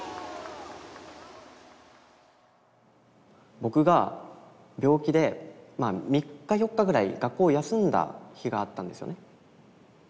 僕が病気で３４日ぐらい学校を休んだ日があったんですよね。